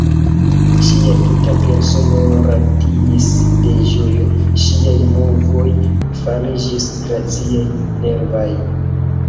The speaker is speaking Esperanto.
Ŝia tuta persono radiis de ĝojo; ŝiaj movoj fariĝis graciaj, nervaj.